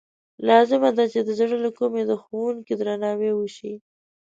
لازمه ده چې د زړه له کومې د ښوونکي درناوی وشي.